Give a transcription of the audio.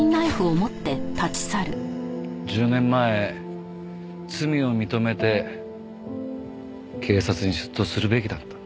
１０年前罪を認めて警察に出頭するべきだった。